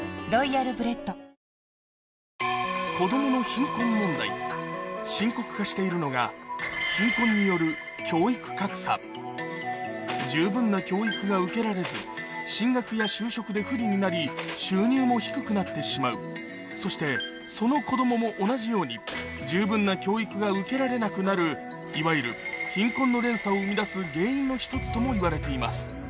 さらに食料問題と同じく深刻化しているのが深刻化しているのが十分な教育が受けられず進学や就職で不利になり収入も低くなってしまうそしてその子供も同じように十分な教育が受けられなくなるいわゆる貧困の連鎖を生み出す原因の１つともいわれています